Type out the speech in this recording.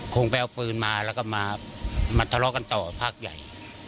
คงไปเอาปืนมาแล้วก็มาทะเลาะกันต่อภาคใหญ่